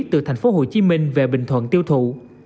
từ thành phố hồ chí minh về bình thuận tiêu thụ